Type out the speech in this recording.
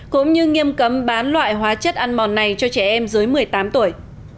cũng như nghiêm cấm bán loại hóa chất ăn mòn này cho trẻ em dưới một mươi tám tuổi